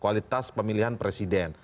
kualitas pemilihan presiden